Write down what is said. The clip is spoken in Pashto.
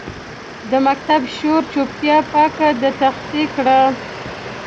د مکتب شور چوپتیا پاکه د تختې کړه